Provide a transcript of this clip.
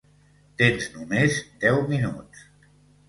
Tens només deu minuts.